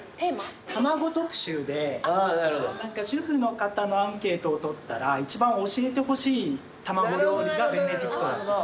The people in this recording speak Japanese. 卵特集で主婦の方のアンケートを取ったら一番教えてほしい卵料理がベネディクト。